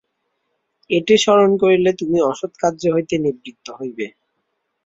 এইটি স্মরণ করিলে তুমি অসৎকার্য হইতে নিবৃত্ত হইবে।